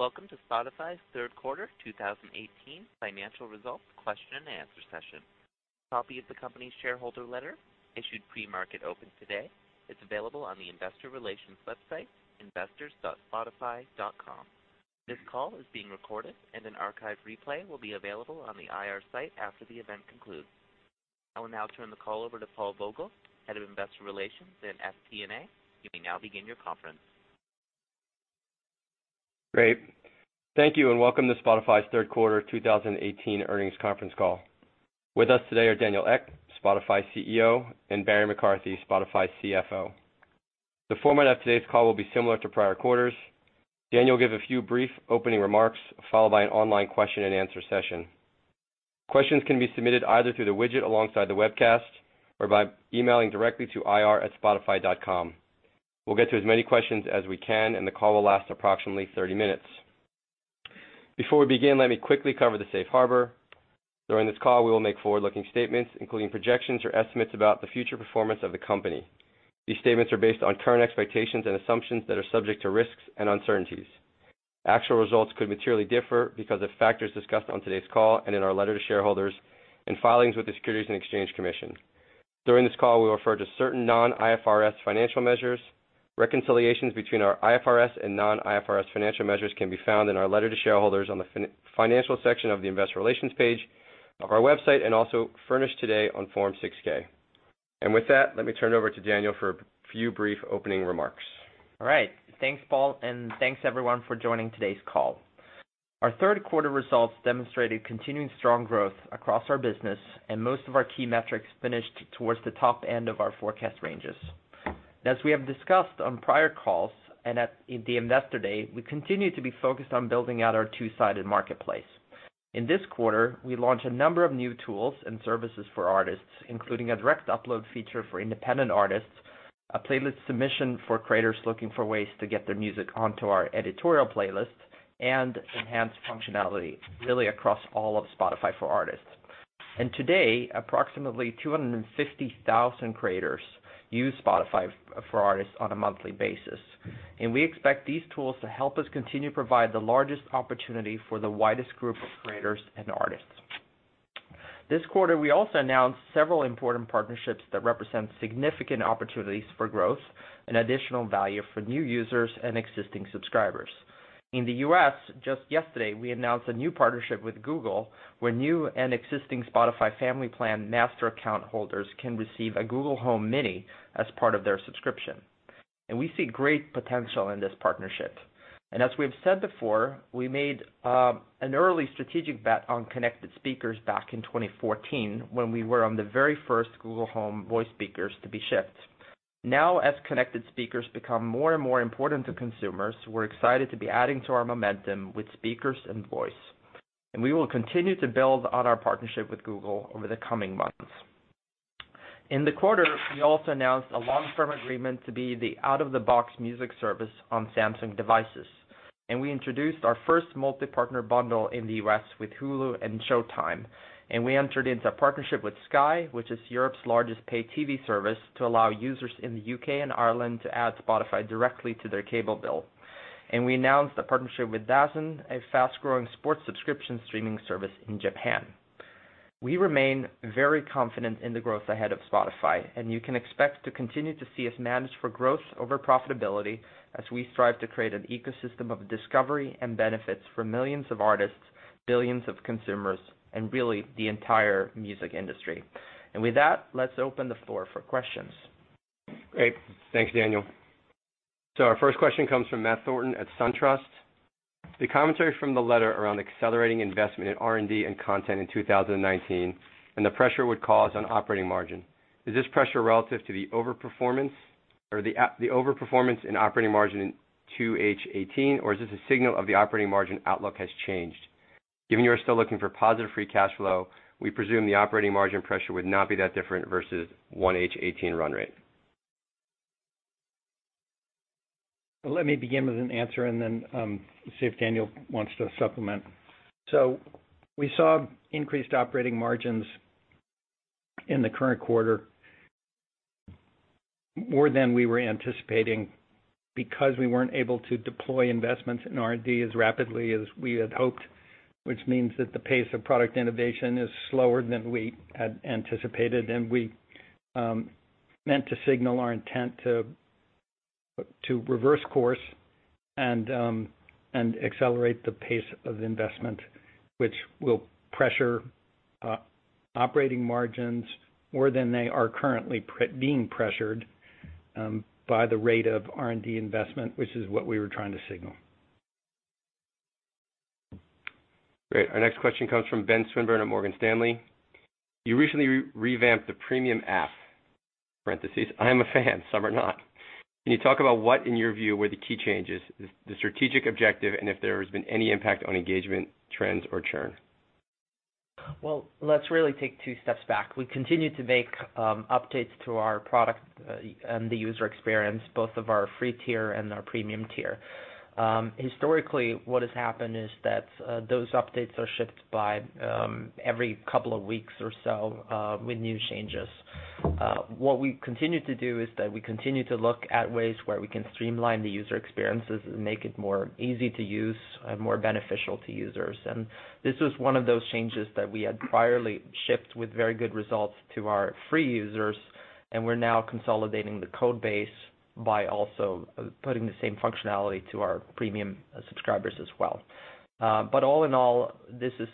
Welcome to Spotify's third quarter 2018 financial results question and answer session. A copy of the company's shareholder letter, issued pre-market open today, is available on the investor relations website, investors.spotify.com. This call is being recorded and an archive replay will be available on the IR site after the event concludes. I will now turn the call over to Paul Vogel, Head of Investor Relations and FP&A. You may now begin your conference. Great. Thank you. Welcome to Spotify's third quarter 2018 earnings conference call. With us today are Daniel Ek, Spotify's CEO, and Barry McCarthy, Spotify's CFO. The format of today's call will be similar to prior quarters. Daniel will give a few brief opening remarks, followed by an online question and answer session. Questions can be submitted either through the widget alongside the webcast, or by emailing directly to ir@spotify.com. We'll get to as many questions as we can, and the call will last approximately 30 minutes. Before we begin, let me quickly cover the safe harbor. During this call, we will make forward-looking statements, including projections or estimates about the future performance of the company. These statements are based on current expectations and assumptions that are subject to risks and uncertainties. Actual results could materially differ because of factors discussed on today's call and in our letter to shareholders and filings with the Securities and Exchange Commission. During this call, we refer to certain non-IFRS financial measures. Reconciliations between our IFRS and non-IFRS financial measures can be found in our letter to shareholders on the financial section of the investor relations page of our website, and also furnished today on Form 6-K. With that, let me turn it over to Daniel for a few brief opening remarks. All right. Thanks, Paul. Thanks, everyone, for joining today's call. Our third quarter results demonstrated continuing strong growth across our business, and most of our key metrics finished towards the top end of our forecast ranges. As we have discussed on prior calls and at the investor day, we continue to be focused on building out our two-sided marketplace. In this quarter, we launched a number of new tools and services for artists, including a direct upload feature for independent artists, a playlist submission for creators looking for ways to get their music onto our editorial playlists, and enhanced functionality really across all of Spotify for Artists. Today, approximately 250,000 creators use Spotify for Artists on a monthly basis. We expect these tools to help us continue to provide the largest opportunity for the widest group of creators and artists. This quarter, we also announced several important partnerships that represent significant opportunities for growth and additional value for new users and existing subscribers. In the U.S., just yesterday, we announced a new partnership with Google, where new and existing Spotify Premium Family master account holders can receive a Google Home Mini as part of their subscription. We see great potential in this partnership. As we've said before, we made an early strategic bet on connected speakers back in 2014 when we were on the very first Google Home voice speakers to be shipped. Now, as connected speakers become more and more important to consumers, we're excited to be adding to our momentum with speakers and voice. We will continue to build on our partnership with Google over the coming months. In the quarter, we also announced a long-term agreement to be the out-of-the-box music service on Samsung devices, and we introduced our first multi-partner bundle in the U.S. with Hulu and Showtime. We entered into a partnership with Sky, which is Europe's largest paid TV service, to allow users in the U.K. and Ireland to add Spotify directly to their cable bill. We announced a partnership with DAZN, a fast-growing sports subscription streaming service in Japan. We remain very confident in the growth ahead of Spotify, and you can expect to continue to see us manage for growth over profitability as we strive to create an ecosystem of discovery and benefits for millions of artists, billions of consumers, and really the entire music industry. With that, let's open the floor for questions. Great. Thanks, Daniel. Our first question comes from Matt Thornton at SunTrust. The commentary from the letter around accelerating investment in R&D and content in 2019 and the pressure it would cause on operating margin. Is this pressure relative to the overperformance in operating margin in 2H18, or is this a signal of the operating margin outlook has changed? Given you are still looking for positive free cash flow, we presume the operating margin pressure would not be that different versus 1H18 run rate. Let me begin with an answer and then see if Daniel wants to supplement. We saw increased operating margins in the current quarter more than we were anticipating because we weren't able to deploy investments in R&D as rapidly as we had hoped, which means that the pace of product innovation is slower than we had anticipated. We meant to signal our intent to reverse course and accelerate the pace of investment, which will pressure operating margins more than they are currently being pressured by the rate of R&D investment, which is what we were trying to signal. Great. Our next question comes from Ben Swinburne at Morgan Stanley. You recently revamped the premium app (I am a fan, some are not). Can you talk about what, in your view, were the key changes, the strategic objective, and if there has been any impact on engagement trends or churn? Well, let's really take two steps back. We continue to make updates to our product and the user experience, both of our free tier and our premium tier. Historically, what has happened is that those updates are shipped by every couple of weeks or so with new changes. What we continue to do is that we continue to look at ways where we can streamline the user experiences and make it more easy to use and more beneficial to users. This was one of those changes that we had priorly shipped with very good results to our free users, and we're now consolidating the code base by also putting the same functionality to our premium subscribers as well. All in all, this is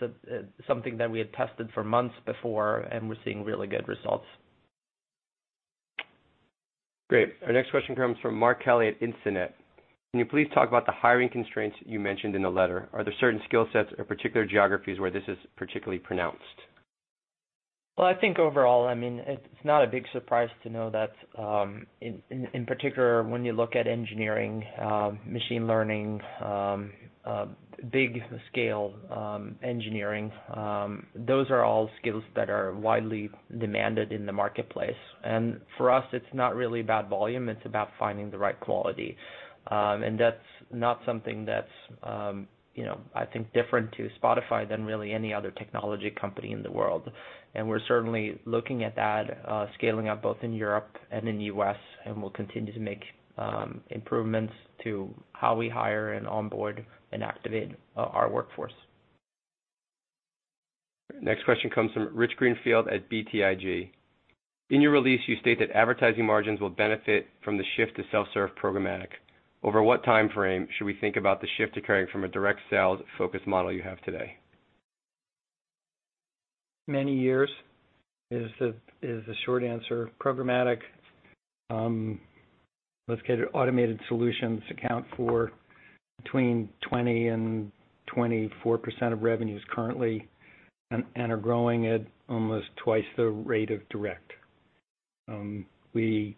something that we had tested for months before, and we're seeing really good results. Great. Our next question comes from Mark Kelley at Instinet. Can you please talk about the hiring constraints you mentioned in the letter? Are there certain skill sets or particular geographies where this is particularly pronounced? Well, I think overall, it's not a big surprise to know that, in particular, when you look at engineering, machine learning, big scale engineering, those are all skills that are widely demanded in the marketplace. For us, it's not really about volume, it's about finding the right quality. That's not something that's I think different to Spotify than really any other technology company in the world. We're certainly looking at that, scaling up both in Europe and in the U.S., and we'll continue to make improvements to how we hire and onboard and activate our workforce. Next question comes from Rich Greenfield at BTIG. "In your release, you state that advertising margins will benefit from the shift to self-serve programmatic. Over what timeframe should we think about the shift occurring from a direct sales-focused model you have today? Many years is the short answer. Programmatic automated solutions account for between 20%-24% of revenues currently and are growing at almost twice the rate of direct. We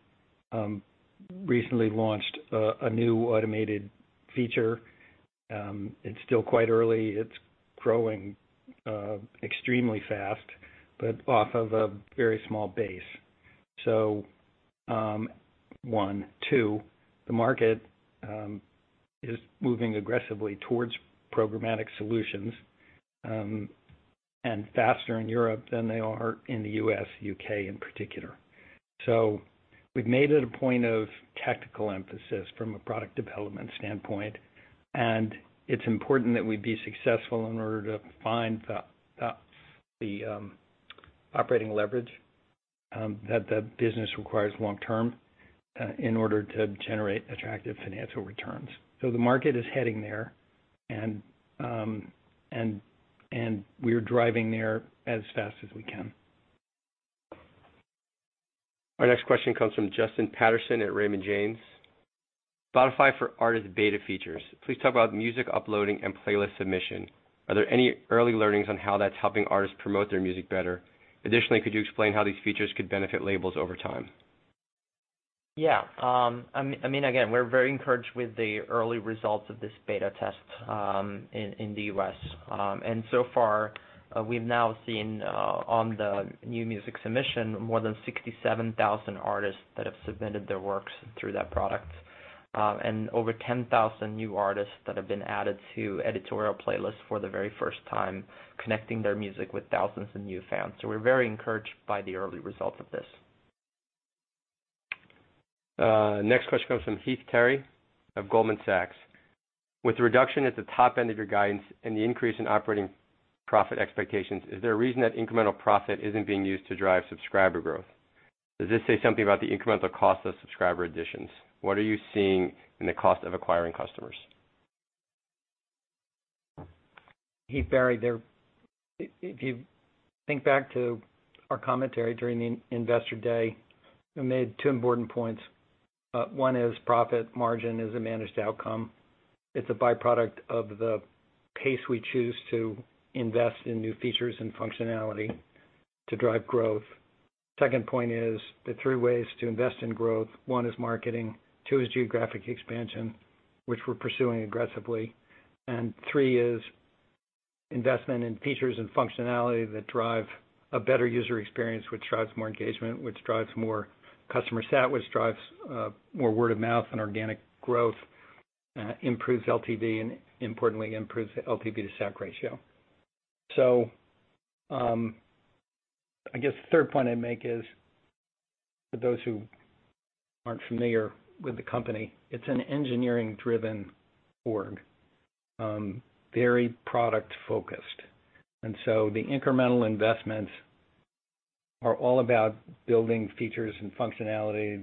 recently launched a new automated feature. It's still quite early. It's growing extremely fast, but off of a very small base. One. Two, the market is moving aggressively towards programmatic solutions, and faster in Europe than they are in the U.S., U.K. in particular. We've made it a point of tactical emphasis from a product development standpoint, and it's important that we be successful in order to find the operating leverage that the business requires long-term in order to generate attractive financial returns. The market is heading there, and we are driving there as fast as we can. Our next question comes from Justin Patterson at Raymond James. "Spotify for Artists beta features. Please talk about music uploading and playlist submission. Are there any early learnings on how that's helping artists promote their music better? Additionally, could you explain how these features could benefit labels over time? Again, we're very encouraged with the early results of this beta test in the U.S. So far, we've now seen on the new music submission, more than 67,000 artists that have submitted their works through that product. Over 10,000 new artists that have been added to editorial playlists for the very first time, connecting their music with thousands of new fans. We're very encouraged by the early results of this. Next question comes from Heath Terry of Goldman Sachs. With the reduction at the top end of your guidance and the increase in operating profit expectations, is there a reason that incremental profit isn't being used to drive subscriber growth? Does this say something about the incremental cost of subscriber additions? What are you seeing in the cost of acquiring customers? Heath Terry, if you think back to our commentary during the Investor Day, we made two important points. One is profit margin is a managed outcome. It's a byproduct of the pace we choose to invest in new features and functionality to drive growth. Second point is the three ways to invest in growth. One is marketing, two is geographic expansion, which we're pursuing aggressively, and three is investment in features and functionality that drive a better user experience, which drives more engagement, which drives more customer sat, which drives more word of mouth and organic growth, improves LTV, and importantly improves the LTV to SAC ratio. I guess the third point I'd make is, for those who aren't familiar with the company, it's an engineering-driven org. Very product-focused. The incremental investments are all about building features and functionality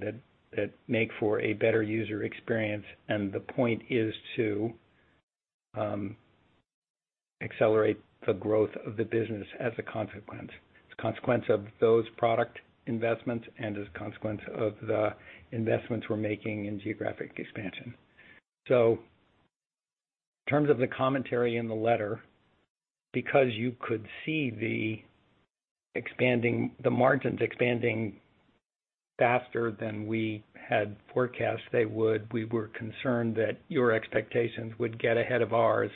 that make for a better user experience. The point is to accelerate the growth of the business as a consequence. As a consequence of those product investments and as a consequence of the investments we're making in geographic expansion. In terms of the commentary in the letter, because you could see the margins expanding faster than we had forecast they would, we were concerned that your expectations would get ahead of ours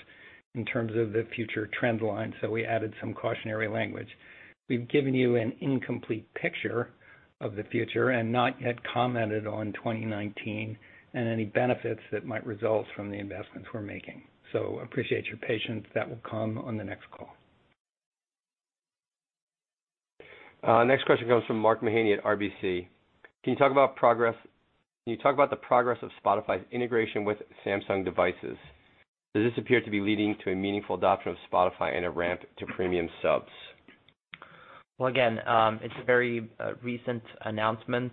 in terms of the future trend line, so we added some cautionary language. We've given you an incomplete picture of the future and not yet commented on 2019 and any benefits that might result from the investments we're making. Appreciate your patience. That will come on the next call. Next question comes from Mark Mahaney at RBC. Can you talk about the progress of Spotify's integration with Samsung devices? Does this appear to be leading to a meaningful adoption of Spotify and a ramp to premium subs? Again, it's a very recent announcement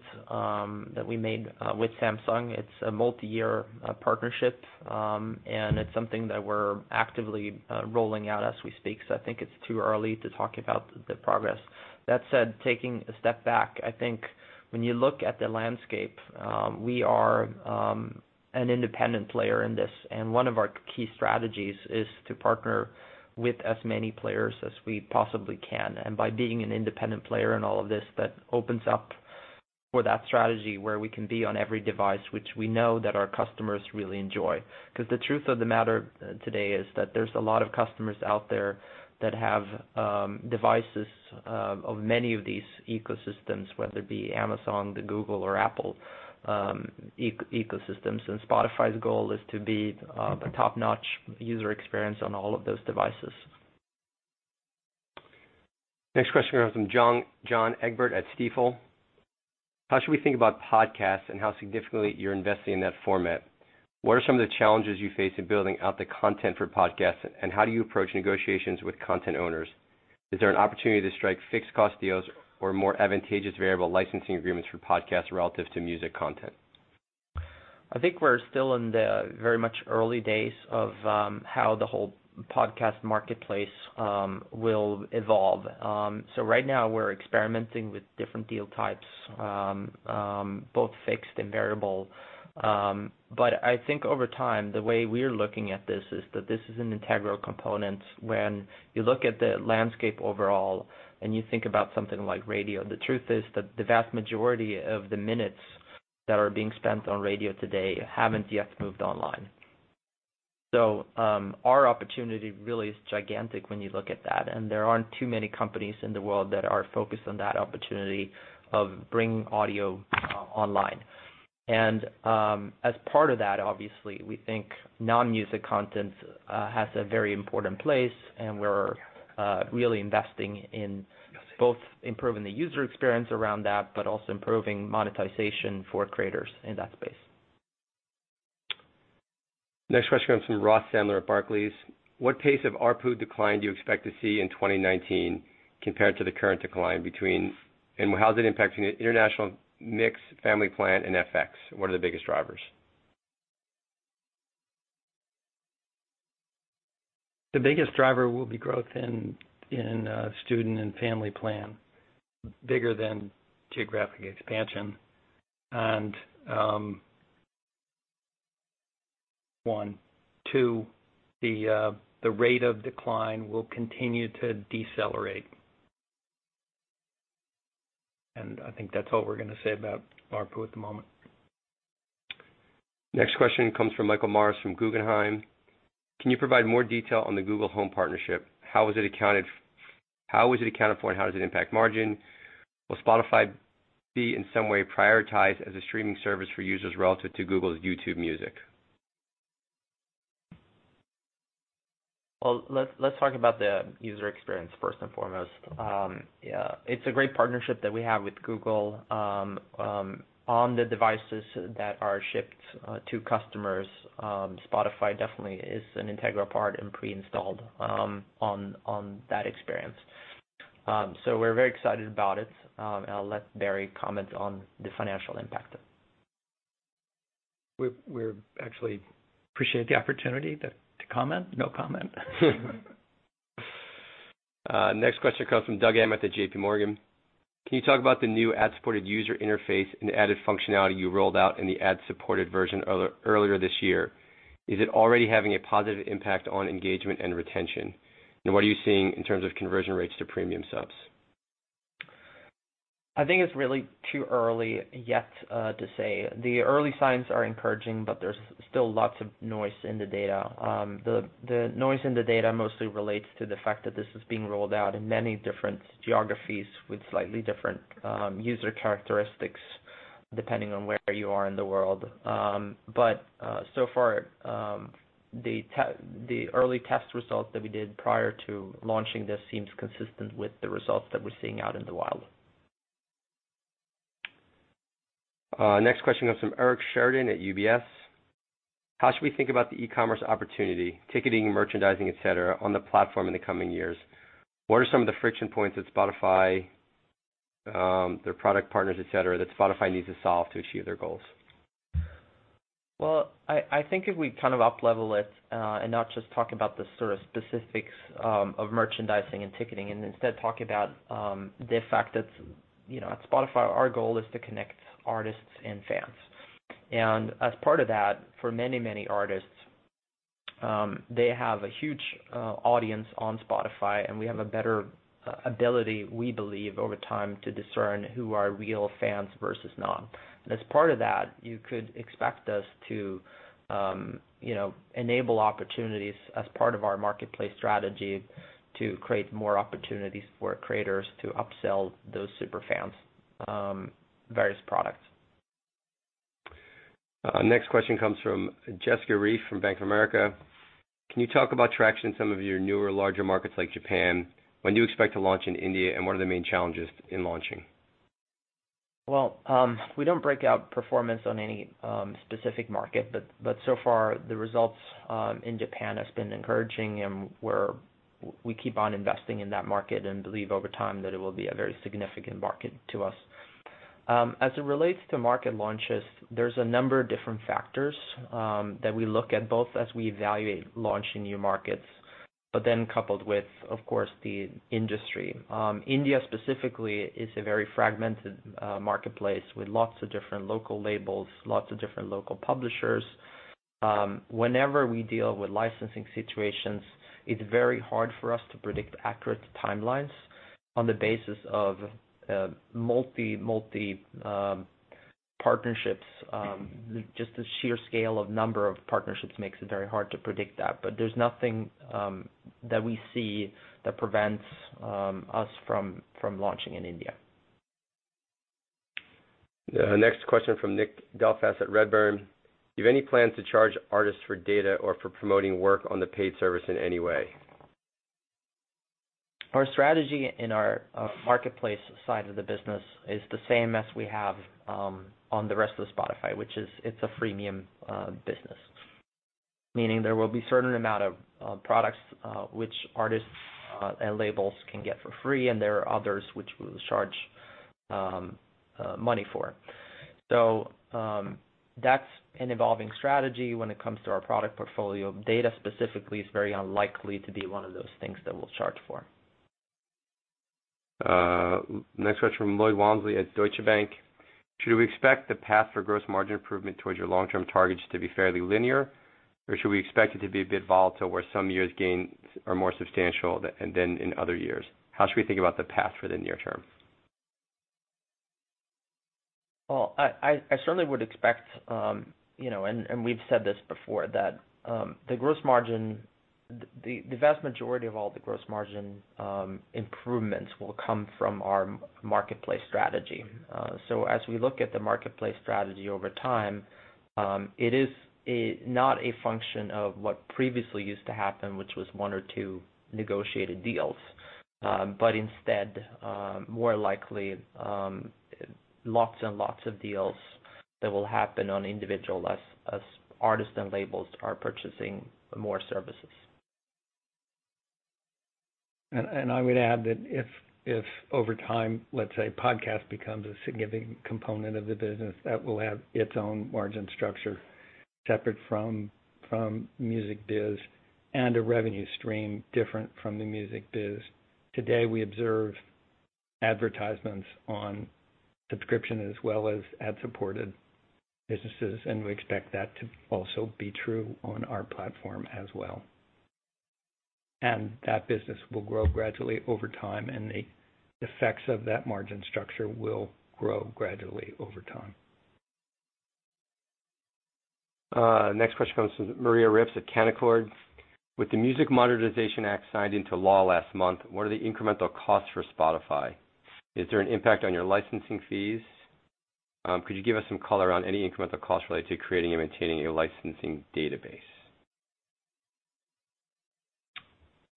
that we made with Samsung. It's a multi-year partnership. It's something that we're actively rolling out as we speak. I think it's too early to talk about the progress. That said, taking a step back, I think when you look at the landscape, we are an independent player in this. One of our key strategies is to partner with as many players as we possibly can. By being an independent player in all of this, that opens up for that strategy where we can be on every device, which we know that our customers really enjoy. The truth of the matter today is that there's a lot of customers out there that have devices of many of these ecosystems, whether it be Amazon, the Google, or Apple ecosystems. Spotify's goal is to be a top-notch user experience on all of those devices. Next question comes from John Egbert at Stifel. How should we think about podcasts and how significantly you're investing in that format? What are some of the challenges you face in building out the content for podcasts, and how do you approach negotiations with content owners? Is there an opportunity to strike fixed cost deals or more advantageous variable licensing agreements for podcasts relative to music content? I think we're still in the very much early days of how the whole podcast marketplace will evolve. Right now we're experimenting with different deal types, both fixed and variable. I think over time, the way we're looking at this is that this is an integral component. When you look at the landscape overall and you think about something like radio, the truth is that the vast majority of the minutes that are being spent on radio today haven't yet moved online. Our opportunity really is gigantic when you look at that. There aren't too many companies in the world that are focused on that opportunity of bringing audio online. As part of that, obviously, we think non-music content has a very important place and we're really investing in both improving the user experience around that, but also improving monetization for creators in that space. Next question comes from Ross Sandler at Barclays. What pace of ARPU decline do you expect to see in 2019 compared to the current decline? How is it impacting international mix, Premium Family, and FX? What are the biggest drivers? The biggest driver will be growth in Student and Family Plan, bigger than geographic expansion. One, two, the rate of decline will continue to decelerate. I think that's all we're going to say about ARPU at the moment. Next question comes from Michael Morris from Guggenheim. Can you provide more detail on the Google Home partnership? How is it accounted for and how does it impact margin? Will Spotify be in some way prioritized as a streaming service for users relative to Google's YouTube Music? Well, let's talk about the user experience first and foremost. It's a great partnership that we have with Google. On the devices that are shipped to customers, Spotify definitely is an integral part and pre-installed on that experience. We're very excited about it. I'll let Barry comment on the financial impact. We actually appreciate the opportunity to comment. No comment. Next question comes from Doug Anmuth at J.P. Morgan. Can you talk about the new ad-supported user interface and the added functionality you rolled out in the ad-supported version earlier this year? Is it already having a positive impact on engagement and retention? What are you seeing in terms of conversion rates to Premium subs? I think it's really too early yet to say. The early signs are encouraging, there's still lots of noise in the data. The noise in the data mostly relates to the fact that this is being rolled out in many different geographies with slightly different user characteristics depending on where you are in the world. So far, the early test results that we did prior to launching this seems consistent with the results that we're seeing out in the wild. Next question comes from Eric Sheridan at UBS. How should we think about the e-commerce opportunity, ticketing, merchandising, et cetera, on the platform in the coming years? What are some of the friction points at Spotify, their product partners, et cetera, that Spotify needs to solve to achieve their goals? I think if we kind of uplevel it, not just talk about the sort of specifics of merchandising and ticketing, instead talk about the fact that at Spotify, our goal is to connect artists and fans. As part of that, for many, many artists, they have a huge audience on Spotify and we have a better ability, we believe, over time, to discern who are real fans versus not. As part of that, you could expect us to enable opportunities as part of our marketplace strategy to create more opportunities for creators to upsell those super fans various products. Next question comes from Jessica Reif from Bank of America. Can you talk about traction in some of your newer, larger markets like Japan, when do you expect to launch in India, and what are the main challenges in launching? We don't break out performance on any specific market, so far the results in Japan has been encouraging we keep on investing in that market and believe over time that it will be a very significant market to us. As it relates to market launches, there's a number of different factors that we look at, both as we evaluate launching new markets, coupled with, of course, the industry. India specifically is a very fragmented marketplace with lots of different local labels, lots of different local publishers. Whenever we deal with licensing situations, it's very hard for us to predict accurate timelines on the basis of multi partnerships. Just the sheer scale of number of partnerships makes it very hard to predict that. There's nothing that we see that prevents us from launching in India. The next question from Nick Delfas at Redburn. Do you have any plans to charge artists for data or for promoting work on the paid service in any way? Our strategy in our marketplace side of the business is the same as we have on the rest of Spotify, which is, it's a freemium business, meaning there will be certain amount of products which artists and labels can get for free, and there are others which we'll charge money for. That's an evolving strategy when it comes to our product portfolio. Data specifically is very unlikely to be one of those things that we'll charge for. Next question from Lloyd Walmsley at Deutsche Bank. Should we expect the path for gross margin improvement towards your long-term targets to be fairly linear? Should we expect it to be a bit volatile, where some years' gains are more substantial than in other years? How should we think about the path for the near term? Well, I certainly would expect, and we've said this before, that the vast majority of all the gross margin improvements will come from our marketplace strategy. As we look at the marketplace strategy over time, it is not a function of what previously used to happen, which was one or two negotiated deals. Instead, more likely, lots and lots of deals that will happen on individual as artists and labels are purchasing more services. I would add that if over time, let's say, podcast becomes a significant component of the business, that will have its own margin structure separate from music biz and a revenue stream different from the music biz. Today, we observe advertisements on subscription as well as ad-supported businesses, and we expect that to also be true on our platform as well. That business will grow gradually over time, and the effects of that margin structure will grow gradually over time. Next question comes from Maria Ripps at Canaccord. With the Music Modernization Act signed into law last month, what are the incremental costs for Spotify? Is there an impact on your licensing fees? Could you give us some color on any incremental costs related to creating and maintaining your licensing database?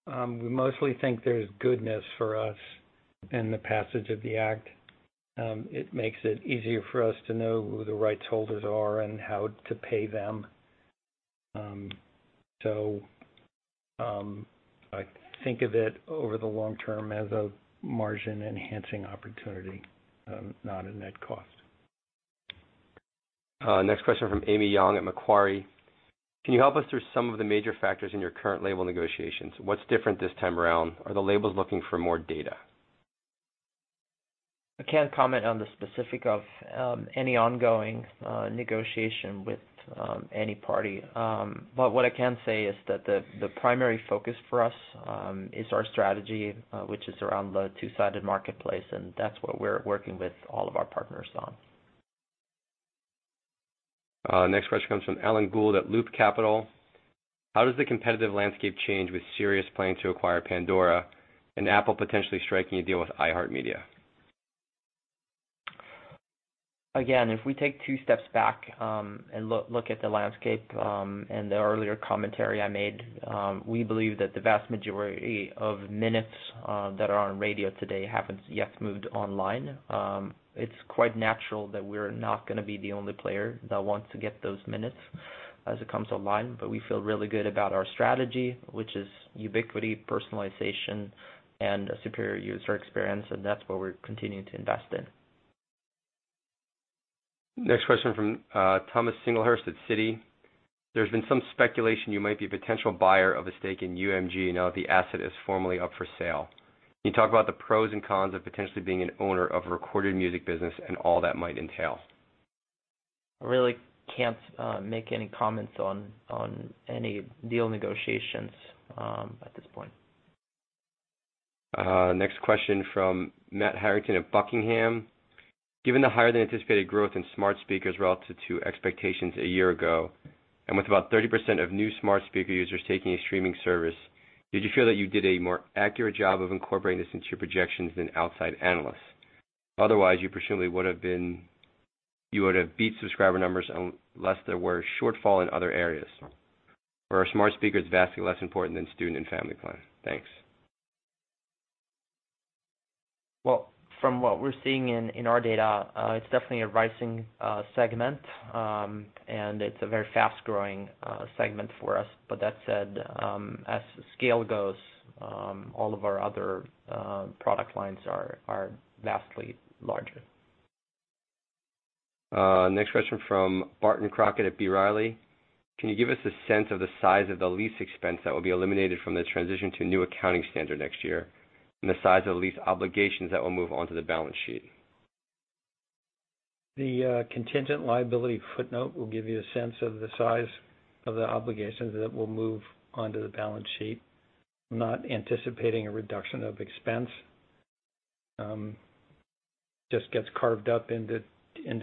We mostly think there's goodness for us in the passage of the act. It makes it easier for us to know who the rights holders are and how to pay them. I think of it over the long term as a margin-enhancing opportunity, not a net cost. Next question from Amy Yong at Macquarie. Can you help us through some of the major factors in your current label negotiations? What's different this time around? Are the labels looking for more data? I can't comment on the specific of any ongoing negotiation with any party. What I can say is that the primary focus for us is our strategy, which is around the two-sided marketplace, and that's what we're working with all of our partners on. Next question comes from Alan Gould at Loop Capital. How does the competitive landscape change with SiriusXM planning to acquire Pandora and Apple potentially striking a deal with iHeartMedia? If we take two steps back and look at the landscape and the earlier commentary I made, we believe that the vast majority of minutes that are on radio today haven't yet moved online. It's quite natural that we're not going to be the only player that wants to get those minutes as it comes online. We feel really good about our strategy, which is ubiquity, personalization, and a superior user experience, and that's what we're continuing to invest in. Next question from Thomas Singlehurst at Citi. There's been some speculation you might be a potential buyer of a stake in UMG now that the asset is formally up for sale. Can you talk about the pros and cons of potentially being an owner of a recorded music business and all that might entail? I really can't make any comments on any deal negotiations at this point. Next question from Matt Harrigan at Buckingham. Given the higher than anticipated growth in smart speakers relative to expectations a year ago, and with about 30% of new smart speaker users taking a streaming service, did you feel that you did a more accurate job of incorporating this into your projections than outside analysts? Otherwise, you presumably would have beat subscriber numbers, lest there were a shortfall in other areas. Were our smart speakers vastly less important than Student and Family Plan? Thanks. From what we're seeing in our data, it's definitely a rising segment, and it's a very fast-growing segment for us. That said, as scale goes, all of our other product lines are vastly larger. Next question from Barton Crockett at B. Riley. Can you give us a sense of the size of the lease expense that will be eliminated from the transition to a new accounting standard next year, and the size of the lease obligations that will move onto the balance sheet? The contingent liability footnote will give you a sense of the size of the obligations that will move onto the balance sheet. I'm not anticipating a reduction of expense. It just gets carved up into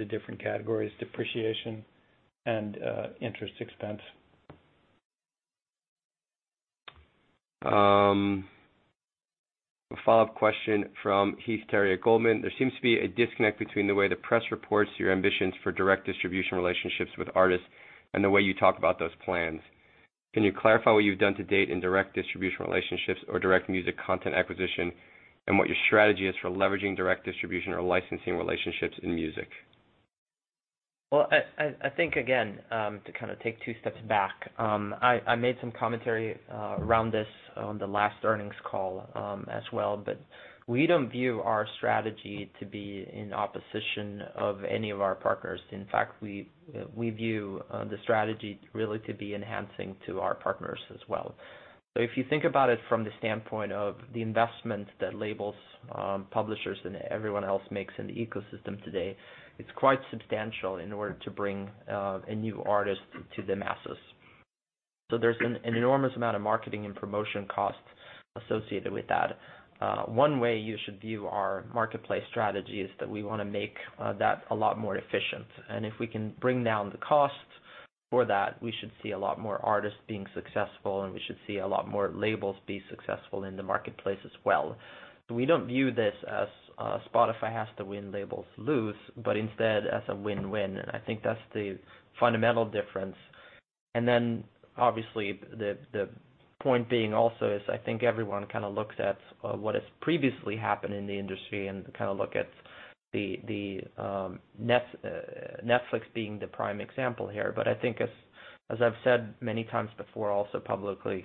different categories, depreciation and interest expense. A follow-up question from Heath Terry at Goldman Sachs. There seems to be a disconnect between the way the press reports your ambitions for direct distribution relationships with artists and the way you talk about those plans. Can you clarify what you've done to date in direct distribution relationships or direct music content acquisition, and what your strategy is for leveraging direct distribution or licensing relationships in music? Well, I think, again, to kind of take two steps back. I made some commentary around this on the last earnings call as well. We don't view our strategy to be in opposition of any of our partners. In fact, we view the strategy really to be enhancing to our partners as well. If you think about it from the standpoint of the investment that labels, publishers, and everyone else makes in the ecosystem today, it's quite substantial in order to bring a new artist to the masses. There's an enormous amount of marketing and promotion costs associated with that. One way you should view our marketplace strategy is that we want to make that a lot more efficient, and if we can bring down the costs for that, we should see a lot more artists being successful, and we should see a lot more labels be successful in the marketplace as well. We don't view this as Spotify has to win, labels lose, but instead as a win-win. I think that's the fundamental difference. Obviously, the point being also is I think everyone kind of looks at what has previously happened in the industry and kind of look at the Netflix being the prime example here. I think as I've said many times before, also publicly,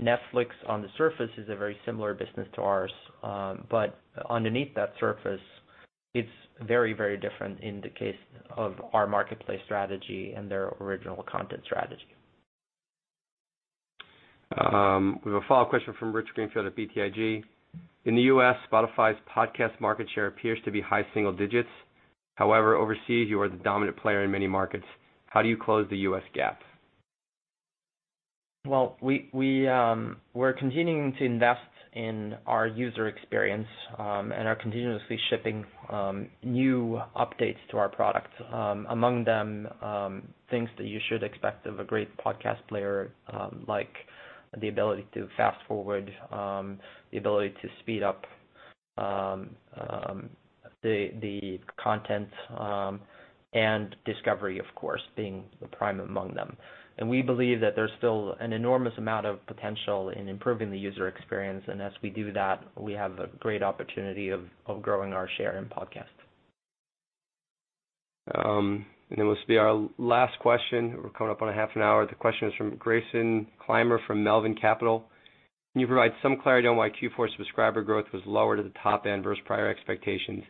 Netflix on the surface is a very similar business to ours. Underneath that surface, it's very, very different in the case of our marketplace strategy and their original content strategy. We have a follow-up question from Rich Greenfield at BTIG. In the U.S., Spotify's podcast market share appears to be high single digits. However, overseas, you are the dominant player in many markets. How do you close the U.S. gap? Well, we're continuing to invest in our user experience and are continuously shipping new updates to our product. Among them, things that you should expect of a great podcast player, like the ability to fast-forward, the ability to speed up the content, and discovery, of course, being the prime among them. We believe that there's still an enormous amount of potential in improving the user experience. As we do that, we have a great opportunity of growing our share in podcasts. It will be our last question. We're coming up on a half an hour. The question is from Greyson Clymer from Melvin Capital. Can you provide some clarity on why Q4 subscriber growth was lower to the top end versus prior expectations?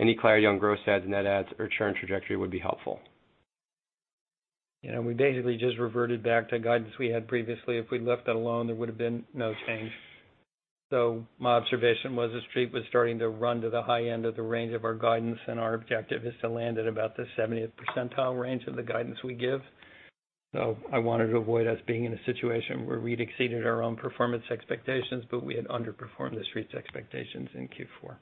Any clarity on gross adds, net adds or churn trajectory would be helpful. Yeah, we basically just reverted back to guidance we had previously. If we'd left that alone, there would have been no change. My observation was the Street was starting to run to the high end of the range of our guidance, and our objective is to land at about the 70th percentile range of the guidance we give. I wanted to avoid us being in a situation where we'd exceeded our own performance expectations, but we had underperformed the Street's expectations in Q4.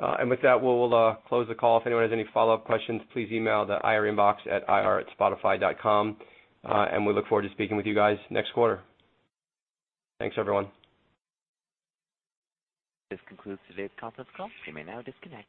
With that, we'll close the call. If anyone has any follow-up questions, please email the IR inbox at ir@spotify.com. We look forward to speaking with you guys next quarter. Thanks, everyone. This concludes today's conference call. You may now disconnect.